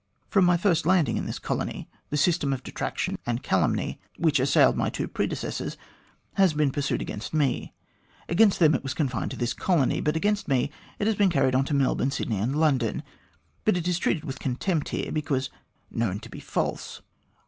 " From my first landing in this colony, the system of detraction and calumny which assailed my two predecessors has been pursued against me. Against them it was confined to this colony, but against me it has been carried on at Melbourne, Sydney, and London, but is treated with contempt here, because known to be false.